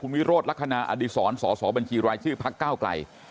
วิโรธลักษณะอดีศรสอสอบัญชีรายชื่อพักเก้าไกล